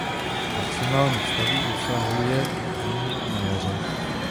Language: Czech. Maximálních stavů dosahuje v zimě a na jaře.